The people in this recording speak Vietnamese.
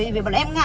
ờ vâng vâng